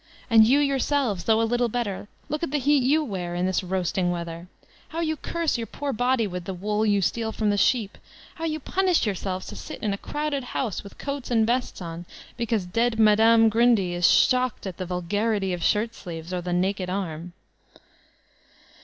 And you, ]rourselves» though a little better, look at the heat you wear in this roasting weather I How ]rou curse your poor body witb the wool you steal from the sheep I How joa punish yourselves to sit in a crowded house with coats and vests on, because dead Mme. Grundy is shocked at the *'vul garity" of shirt sleeves, or the naked arm!